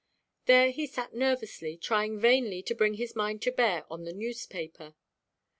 There he sat nervously, trying vainly to bring his mind to bear on the newspaper.